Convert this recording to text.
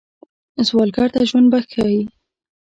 سوالګر ته ژوند بخښئ